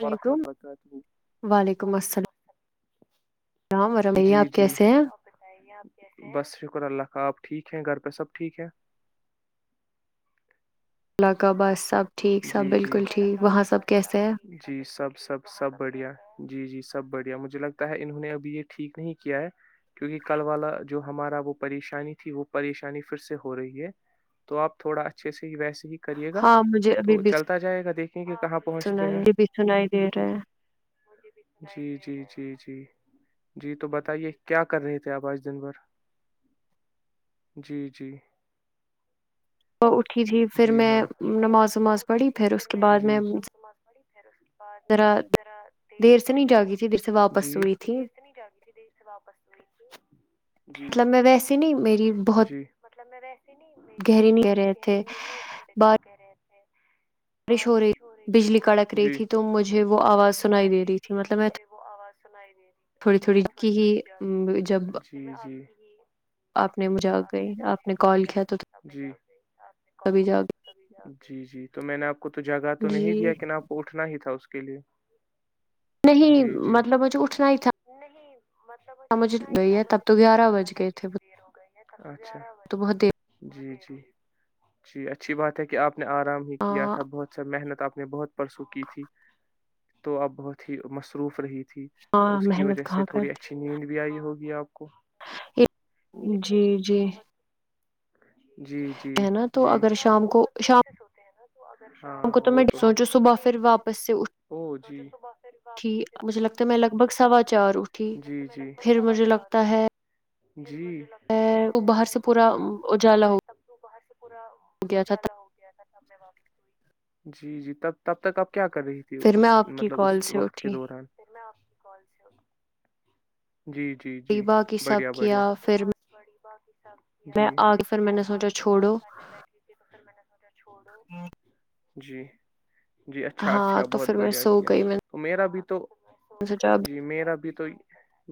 الل ورحمۃ علیکم اللہ وبرکاتہ وعلیکم السلام [inaudible] ورحمۃ اللہ جی آپ جی کیسے ہیں بس شکر اللہ ہاں آپ ٹھیک ہیں گھر پہ سب ٹھیک ہے اللہ کابس سب ٹھیک سب جی جی بالکل ٹھیک وہاں سب کیسے ہے اللہ جی سب سب سب بڑھیا جی جی سب بڑھیا مجھے لگتا ہے انہوں نے ابھی یہ ٹھیک نہیں کیا ہے کیونکہ کل والا جو ہمارا وہ پریشانی تھی وہ پریشانی پھر سے ہو رہی ہے تو آپ تھوڑا اچھے سے ویسے ہی کریے گا ہاں مجھے ابھی تو بھی چلتا جائے گا دیکھیں کہ کہاں پہنچتے سنائی ہیں ابھی بھی سنائی دے رہا ہے جی جی جی جی جی جی تو بتائیے کیا کر رہے تھے آپ آج دن بھر جی جی تو اٹھی تھی پھر جی میں ہاں کچھ نہیں میں نماز صبح وماز اٹھی پڑھی تھی اس پھر کے میں بعد پی پ اس بعد میں ذرا دیر سے نہیں جاگی تھی دیر سے واپس جی ہوئی تھی دیر سے نہیں جاگی تھی دیر سے واپس ت مطلب میں ویسی نہیں میری بہت جی گہری نہیں کہ رہے تھے نہیں تیک جاگ رہے تھے بارش ہو رہی تھی بجلی کڑک رہی جی تھی تو مجھے وہ آواز سنائی دے رہی تھی مطلب میں تھوڑی سل تھوڑی کی ہی تھڑی تھڑی م، جب جی ہ آپ نے جب مجھے آ آپ گئی نے آپ کال کیا تو مجھے یہ کیا تبھی جاگ ال جی جی تو میں نے آپ کو تو جگہ تو نہیں جی دیا کہ آپ کو اٹھنا ہی تھا اس کے لیے نہیں مطلب مجھے اٹھنا ہی تھا مطلب مجھے اٹھنا ہی گئی تھا ہے تب مجھے تو گیارہ پ بج تھا گئے تھے کتنی دیر ہو گئی تو بہت دیر ہےج ج ج جی اچھی بات ہے کہ آپ نے آرام ہی کیا ہاں تھا بہت سا محنت آپ نے بہت پرسوں کی تھی تو اب بہت ہی مصروف رہی ت تھی تو ہاں اس کی محنت وجہ سے کہاں تھوڑی کرتے اچھی نیند بھی آئی ہوگی ج آپ کو جی جی جی جی ہے نا تو اگر شام کو شام ہیں نا تو ہم کو تو میں سوچو صبح پھر واپس سے تو اٹ اھی مجھے لگتا ہے میں لگ بھگ سوا چار اٹھی پھر مجھے لگتا ہے پھر وہ باہر سے پورا اجالا ہوا پورا اجالا ہو گیا تھا سب میں واپس کوئی جی جی تب تب تک اب کیا کر رہی تھی پھر میں اس آپ کی مطلب اس کال سے وقت کے اٹھی دوران کولسو جی جی جی باقی سب بڑھیا بڑھیا کیا پھر میں آ کے پھر میں نے سوچا چھوڑو بیٹھ ت توھر مناس مٹا چھوڑو جی جی اچھا ہاں اچھا تو بہت پھر میں بڑھیا سو کیا گئی میں تو میرا بھی تو نے سوچا اب جی میرا بھی تو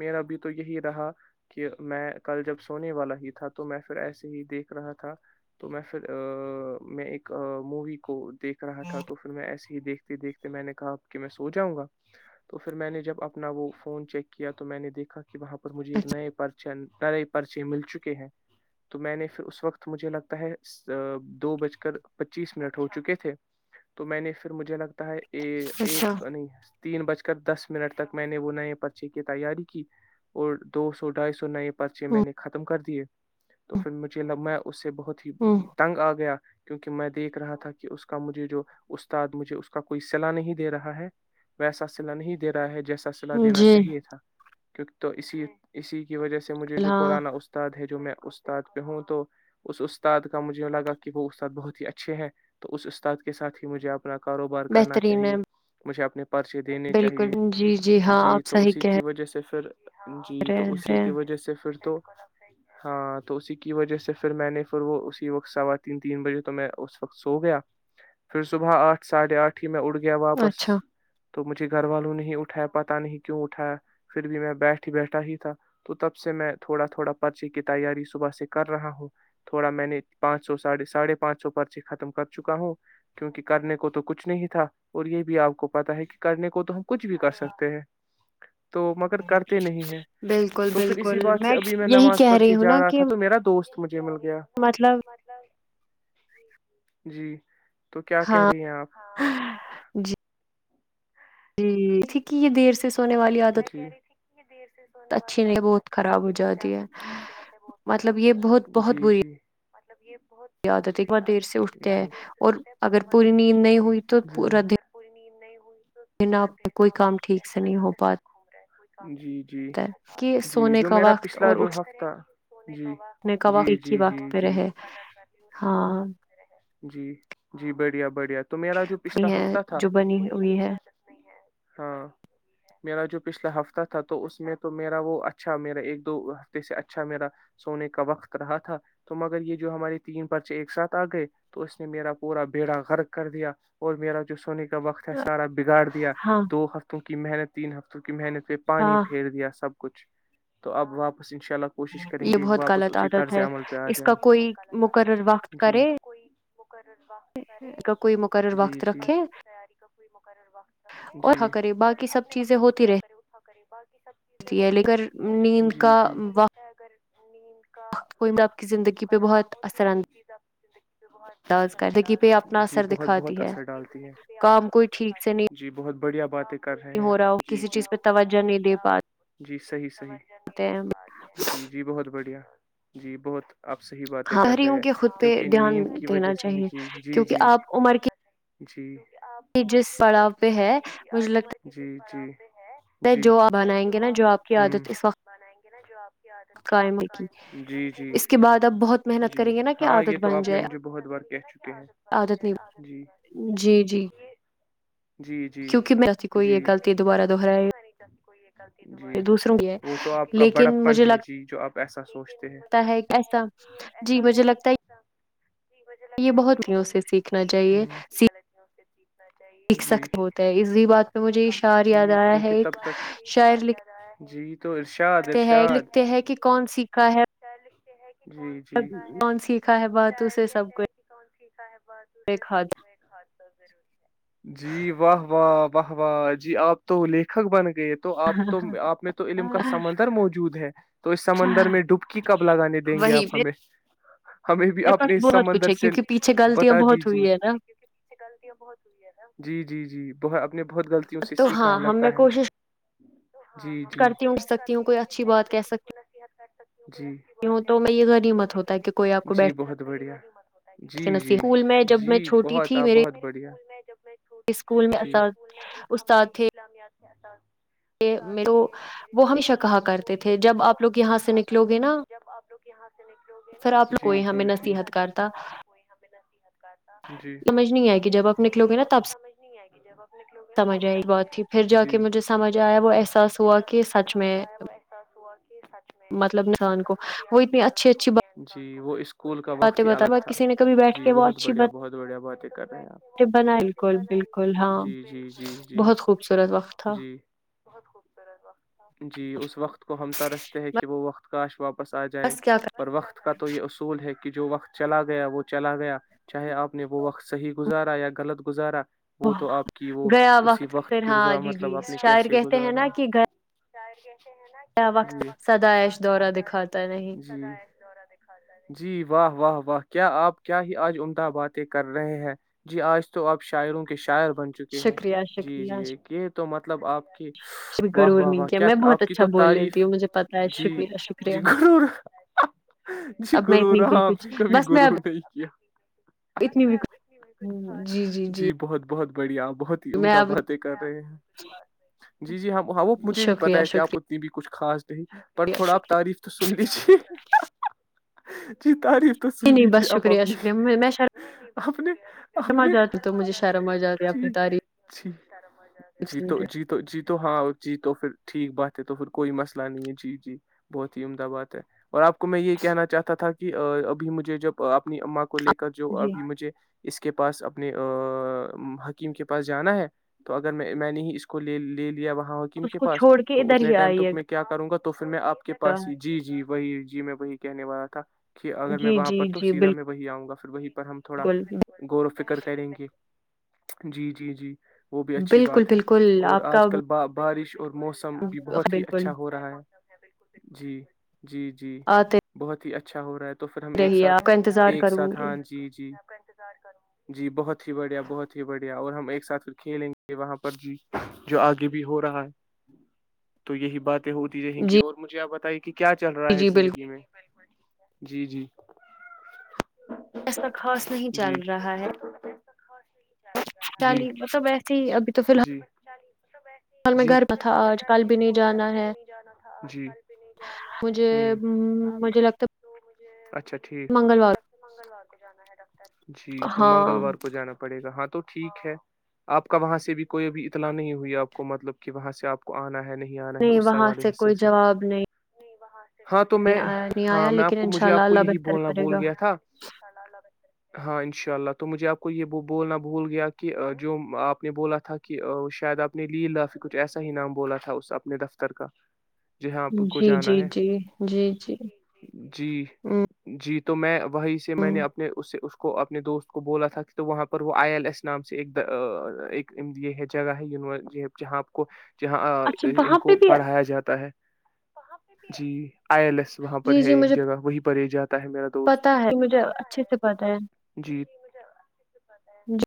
میرا بھی تو تو یہی رہا کہ میں کل جب سونے والا ہی تھا تو میں پھر ایسے ہی دیکھ رہا تھا تو میں پھر میں ایک مووی کو دیک رہا تھا تو پھر میں ایسے ہی دیکھ دیکھتے میں نے کہا کہ میں سو جاؤں گا تو پھر میں نے جب اپنا وہ فون چیک کیا تو میں نے دیکھا کہ وہاں پر مجھے ایک نئے نئے پرچے مل چکے ہیں تو میں نے پھر اس وقت مجھے لگتا ہے دو بج کر پچیس منٹ ہو چکے تھے تو میں نے پھر مجھے لگتا ہے ا اچھا ایک ا تین بج کر دس منٹ تک میں نے وہ نئے پرچے کی تیاری کی اور دو سو ڈھائی سو نئے پرچے ہ میں نے ختم کر دیے تو پھر مجھے لگا اس سے بہت تھی ہ تنگ آ گیا کیونکہ میں دیکھ رہا تھا کہ اس کا مجھے جو استاد مجھے اس کا کوئی سلا نہیں دے رہا ہے ویسا سلا نہیں دے رہا ہے جو جیسا صلاح دینا جی چاہیے تھا کیونکہ تو اسی اسی وجہ سے مجھے جو ہاں پرانا استاد ہے جو میں استاد پہ ہوں تو اس اس استاد کا مجھے لگا کہ وہ استاد بہت ہی اچھے ہیں تو استاد کے ساتھ ہی مجھے آپ اپنا کاروبار کرنا بہترین ہے چاہیے مجھے اپنے پرچے دینے بالکل چاہیے جی ہاں جی آپ تو صحیح اسی کہہ کی وجہ سے پھر جی رہے تو اسی ہیں کی وجہ سے پھر تو ہاں تو اسی کی وجہ سے پھر میں نے پھر وہ اسی وقت سوا تین تین بجے تو میں اس وقت سو گیا پھر صبح آٹھ ساڑھے آٹھ کہ م میں اوڈ گیا واپس اچھا تو مجھے گھر والوں نہیں اٹھایا پتا نہیں کیوں اٹھایا پھر بھی میں بیٹھ ہی بیٹھا ہی تھا تو تب سے میں تھوڑا تھوڑا پرچے کی تیاری صبح سے کر رہا ہوں تھوڑا میں نے پانچ سو ساھے ساڑھے پانچ سو پرچے ختم کر چکا ہوں کیونک کرنے کو تو کچھ نہیں تھا اور یہ بھی آپ کو پتا ہے کہ کرنے کو تو ہم کچھ بھی کر سکتے ہیں تو مگر کرتے نہیں ہے بالکل تو پھر اسی بالکل بات سے ابھی میں یہی نماز کہہ پڑھ رہی کے ہوں نا جا رہا کہ تھا تو میرا دوست مجے م مطلب جی تو کیا کہہ ہاں رہی ہیں آپ جیک یہ دیر سے سونے والی تو میں عادت کہہ رہی تھی کہ یہ دیر سے سونے اچھی والی نہیں عادت بہت اچھی خراب نہیں ہو ہے اس سے جاتی آپ کی صحت ہے بت خراب مطلب ہو یہ بہت جاتی بہت جی بری جی مطلب یہ بہت بہت عادت ہے بری دیر عدت سے ہے کیونکہ اٹھتے ہیں آپ دیر سے اور سوتے ہیں اگر پھرب پوری دیر سے نیند اٹھ نہیں ج ہے اگر پوری نیند نہیں لن آپ کوئی کام ٹھیک سے نہیں ہو پاتا جی جی ہے کہ جی سونے جو کا میرا وقت پچھلا اور جو اٹھ ہفتہ جی نے کا وقت جی ایک ہی جی جی وقت پہ جی رہے ہاں جی جی بڑھیا بڑھیا پچھلا ہے جو بنی ہوئی ہے ہاں میرا جو پچھلا ہفتہ تھا تو اس میں تو میرا وہ اچھا میرا ایک دو ہفتے سے اچھا میرا سونے کا وقت رہا تھا تو مگر یہ جو ہمارے تین بچے ایک ساتھ آ گئے تو اس نے میرا پورا بیڑا غر کر دیا اور میرا جو سونے کا وقت ہے سارا بگاڑیا یا ہاں دو ہفتوں کی محنت تین ہفت کی محنت پہ پانی ہاں پھیر دیا سب کچھ تو اب واپس ان شاء اللہ کوشش کریں یہ گ بہت واپس غلط اسی عادت طرز ہے عمل پہ آ اس جائے کا کوئی بہت غط عادت مقرر ہے وقت جی کرے کو مقرر وقتے اس کا کوئی مقرر جی وقت جی رکھے تاری کا مقرر وقت اور جی ہاں کرے اور اپنے وقت س کر اٹا کری بات ل کر نیند کا مجھے وقت کوئی آپ کی زندگی پہ بہت اثر انداز کر زندگی پہ اپنا جی اثر بہت دکھاتی بہت ہے اثر ڈالتی ہے کام کوئی ٹھیک سے نہیں جی بہت بڑھیا بات ہے کر رہے ہو رہا ہو ہیں کسی چیز پہ توجہ نہیں دے جی پاتے ہیں ت بڑھیا جی بہت آپ صحیح باتیں ہاں کر رہے شہریوں ہیں کے خود پہ دھیان دینا چاہیے کیونکہ آپ عمر کی جی یہ جس پڑاؤ پہ ہے مجھے لگتا جی س جو آپ بنائیں گے نا جو آپ کی عادت اس وقت نا جو آپ قائم ہے کی اس کے بعد آپ بہت محنت جی کریں گے نا کہ ہاں یہ عادت تو بن آپ نے جائے مجھے بہت بار کہہ چکے ہیں عادت جی نہیں جی جی جی جی جی تورا جی دوسروں کی ہے وہ تو آپ کا لیکن بڑپن مجھے ہے جی جو آپ ایسا سوچتے ہیں لگتا ہے کیسا جی مجھے لگتا ہے جی مجھے لگتا ہے یہ بہت مشکل ہے کہ کی غط ہے چیز سھ سکتے ہوتا ہے اسی بات پہ مجھے اشار یاد آ ہے ایک شاعر لکھتے ہیں کہ کون سیکھا ہے ج سھا ہے کون سیکھا ہے باتوں شار سے سب کہتا کو ہے کہ کون سیکھا ہے بازو سے ایک سب ہاتھ میں کھا جی واہ واہ واہ واہ جی آپ تو وہ لیکھک بن گئے گ تو آپ تو آپ میں تو علم کا سمندر موجود ہے تو اس سمندر میں وہی ڈبکی کب لگانے دیں گے آپ ہمیں میرے ہمیں بھی اپنے پاس اس بہت سمندر کچھ ہے سے کیونکہ پیچھے غلطیاں بتا بہت دیجے ہوئی ہے نا غلطیاں بہت جی جی جی جی ب نے بہت غطیوں سے سیکھ ہماں میں کوشش کو کرتی ہوں کر سکتی ہوں کوئی اچھی بات کہہ سکتی جی ہوں تو میں یہ غنیمت ہوتا ہے کہ کوئی آپ کو جی بیٹھ بہت بڑھیا جی کے جی نصیحت اسکول میں جب جی میں چھوٹی بہت تھی آپ میرے بہت بڑھیا اسکول میں اس استاد تھے اسلامیہتا استاد تو کے م وہ ہمیشہ اسلامت کہا تھے تو کرتے تھے جب وہ آپ لوگ ہمیشہ یہاں سے کہا نکلو کرتے گے نا تھے جب آپ لوگ یہاں سے نکلو گے نا پھر آپ لوگ کوئی ہمیں نصیحت کرتا نیحت کاتا ج سمجھ نہیں آئے گی لیکن جب آپ یہ نکلو چیز گے نا ابھی تب سمج نہیں آئے گی جب سمجھ آئے ب تھی پھر جا کے مجھے سمجھ آیا وہ احساس ہوا کہ سچ میں مطلب انسان کو وہ کی اتنی اچھی اچھی ضرورت جی وہ اسکول کا باتیں وقت ہی بتا الگ تھا کسی جی بہت بڑھیا بہت بڑھیا بات ہے بنا بالکل بالکل ہاں بہت خوب جیب جی اس وقت کو ہم ترستے ہیں کہ وہ مخ کاش وپ واپس آ جائے بس کیا کر اور وقت کا تو یہ اصول ہے کہ کہ جو وقت چلا گیا وہ چلا گیا چاہے آپ نے وہ وقت صحیح گزارا یا غلط گزارا وہ تو آپ کی وہ گیا اسی وقت پھر کی ہاں گزار جی جی مطلب شاعر کہتے ہیں نا کہ گھر جائےے دورہ ج دکھاتا نہیں جی واہ واہ و کیا آپ کیا ہی آج عمدہ باتیں کر رہے ہیں جی آج تو آپ شاعروں کے شار بن چکے ہیں شکریہ جی جی شکریہ ایک یہ تو مطلب آپ کی شکریہ. واہ ضرور واہ نہیں واہ کیا میں بہت آپ کی اچھا تو بول تعریف لیتی ہوں مجھے پتا ہے جی شکریہ شکریہ جی گر جی اب میں گر اتنی ر بھی آپ نے کچھ کبھی بس میں گر اب نہیں کیا اتنی بھی جی بہت بہت بڑیاپ بہت ہی میں عمدہ اب باد ہے ایک کر رہے ہیں جی جی ہ ہاں وہ مجھے بھی پتا شکریہ ہے کہ آپ شکریہ اتنی بھی کچھ کچ خاص پر تھوڑا آپ شکریہ تعریف تو سن لیجیے جی تاری نہیں نہیں بس شکریہ شکریہ میں ش اپنے شم آ جاتے تو مجھے شر میں آ جاتی اپنی تعریف رم جیت جیت جیت ہاں جی تو پھر ٹھیک بات ہے تو پھر کوئی مسئلہ نہیں ہے جی جی بہت ہی عمدہ بات ہے اور آپ کو میں یہ کہنا چاہتا تھا کہ ابھی مجھے جب اپنی ااں کو لے کر جو جی ابھی مجھے اس کے پاس اپنے حکیم کے پاس جانا ہے تو اگر میں میں نے ہی اس کوے لے لیا وہاں آپ حکیم اس کے کو پس چھوڑ کے تو ادھر اتنے ہی ٹائم آئیے توک میں کیا کروں گا تو پھر میں آپ کے پاس ہی جی جی وہی جی میں وہی کہنے والا تھا کہ اگر میں جی وہاں جی پر تو جی سیدھا میں وہی آؤں گا پھر بائی پر ہم تھوڑا بالکل غور و فکر کریں گے جی جی جی وہ بھی اچھی بالکل بات ہے بالکل اور آپ کا آج کلا بارش اور موسم بھی بہت ہی بالکل اچھا ہو رہا ہے جی جی جی آتے بہت ہی اچھا اچھا ہوا ہے تو پھر ہم ایک رہیے ساتھ آپ کا انتظار ایک کروں ساتھ گی ہاں جی جی کاتظار کر جی بہت ہی بڑھیا بہت ہی بڑھیا اور ہم ایک ساتھ کھیلیں گے وہاں پر ج جو آگے بھی ہو رہا ہے تو یہی بات ہوتی رہیں گی جی اور مجھے آپ بتائی گے کہ کیا چل رہا ہے جی زندگی بالکل میں جی جی ایسا خوص نہیں چل رہا ہے خاش چال متب جی ابھی تو فی جی الحالال میں گھر تھا آج کل بھی نہیں جانا ہے مجھے مجھے لگتا منگلوار لا کے جانا ہےا جی تو ہاں منگلوار کو جانا پڑے گا ہاں تو ٹھیک ہے آپ کا وہاں سے بھی کوئی ابھی اطلاع نہیں ہوئی ہے آپ کو مطلب کہ وہاں سے آپ کو آنا ہے نہیں آنا ہے نہیں وہاں سے کوئی جواب نہیں بہر ہاں تو میں آیا نہیں آیا ہاں میں آپ لیکن کو ان شاء مجھے اللہ آپ کو اللہ یہی بہتر بولنا کرے بول گا گیا تھا ہاں انشاء اللہ تو مجھے آپ کو یہ بولنا بھول گیا کہ جو آپ نے بولا تھا کہ شاید آپ نے لی الف کچھ ایسا ہی نام بولا تھا اس اپنے دفتر کا جہاں آپ کو جی جانا جی ہے جی جی جی جی ہوں جی تو میں وہیں سے میں نے اپنے اس اس کو اپنے دوست کو بولا تھا کہ تو وہاں پر وہ آئی ایل ایس نام سے ایک ایک یہ ہے جگہ ہے ی جہاں آپ کو جہاں اچھا ان وہاں پہ کو بھی پڑھایا جاتا ہے وہاں پہ جی آئی ایل ایس وہاں پر ہے ایک جگہ وہی پری جات پتاہ ہے مجھے اچھے سے پتاہ ہے جی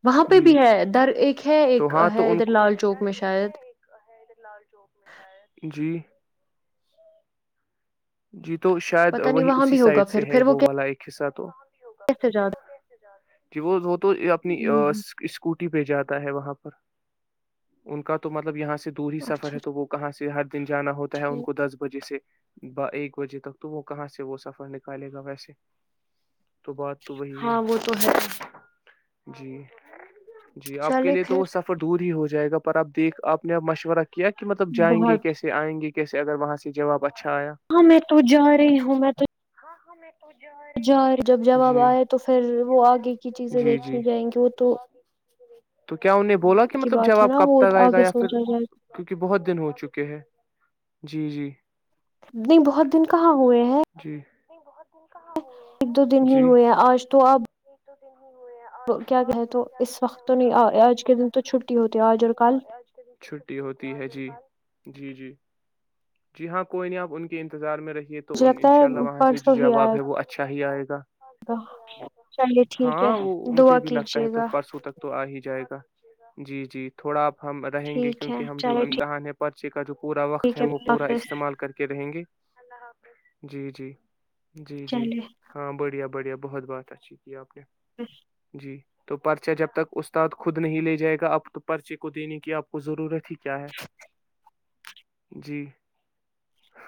وہاں پہ جی بھی ہے ادھر ایک ہے تو ایک ہاں ہے تو ان ادھر کو لال چوک میں شاید جی جی تو شاید پتا نہیں وہی وہاں اسی بھی ہوگا سائڈ سے پھر ہے پھر وہ والا ایک حسہ تو کیسے زد جی وہت تو اپنی اسکوٹی پہ جاتا ہے وہاں پر ان کا تو مطلب یہاں سے دور ہی سفر اچھا ہے تو وہ کہاں سے ہرد دن جانا ہوتا ہے ان ٹھیک کو دس بجے سے ب ایک بجے تک تو وہ کہاں سے وہ سفر نکالے گا ویسے تو بات تو وہی ہے ہاں وہ تو ہے جی جی آپ کے چلے لیے تو پھر وہ سفر دور ہی ہو جائے جائے گا پر آپ دیک آپ آپ مشورہ کیا کیا کہ مطلب جائیں گے بہت کیسے آئیں گے کیسے اگر وہاں سے جواب اچھا آیا ہاں میں تو جا رہی ہوں میں تو ہاں ہ میں جب جواب آئے تو پھر وہ آگے کی چیزیں دیکھیھی جائیں گی وہ تو تو کیا ان نے بولا کہ کی مطلب بات ہے جواب نا کب وہ تک آئے گا آگے یا پھر سوچا جائے کیونکہ بہت دن ہو چکے ہیں جی جی نہیں بہت دن کہاں ہوئے ہیں نہیں بہت ایک دو دن ہی ہوئے ہیں آج تو آپ کیا کہے تو اس وقت تو نہیں آج کے دن تو چھٹی ہوتی آج اور کل ہوتی ہے جی جی جی ہاں کوئی نہیں آپ ان کی انتظار میں رہی تو مجھے ان لگتا ہے شاء اللہ وہاں سے پرسوں ہی آئے جواب ہے وہ اچھا ہی آئے گا چلیے ٹھیک ہے ہاں وہ دعا مجھے بھی لگتا کیجیے ہے تو گا پرسوں تک تو آ ہی جائے گا جی جی تھوڑا آ ہم رہیں گے ٹھیک ہے کیونکہ ہم جو چلے امتحان ہے پر چا جو پورا وقت ٹھیک ہے وہ پورا حافظ استعمال کر کے رہیں گے اللہ حافظ جی جی جی جی چلیے ہاں بڑھیا بڑھیا بہت بات اچھی کی آپ نے ا ج تو پرچا جب تک استاد خود نہیں لے جائے گا اب تو پرچے کو دینے کی آپ کو ضرورت ہی کیا ہے جی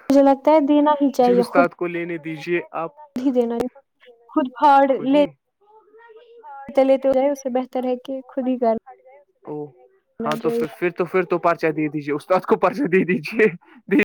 مجھے لگتا ہے دینا ہی جی چاہیے خود استاد کو لینے دیجیے آپ ہی دینا یہ خود پھاڑ خود ہی لے ہے کہ خود ہی ہاں کرنا چاہیے توھر توھر تو پرچہ دے دیجیے است کو پرچا دیجیے دی